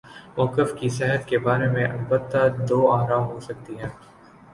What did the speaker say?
موقف کی صحت کے بارے میں البتہ دو آرا ہو سکتی ہیں۔